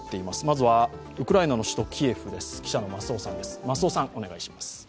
まずはウクライナの首都キエフです。